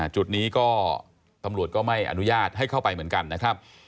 จุดนี้ก็ตำรวจก็ไม่อนุญาตให้เข้าไปเหมือนกันนะครับ